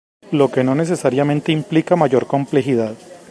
Lo que no necesariamente implica mayor complejidad.